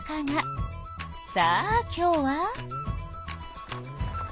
さあ今日は。